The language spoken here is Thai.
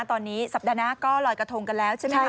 ตอนนี้สัปดาห์หน้าก็ลอยกระทงกันแล้วใช่ไหมคะ